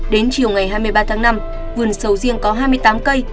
đến chiều ngày hai mươi ba tháng năm vườn sầu riêng có hai mươi tám cây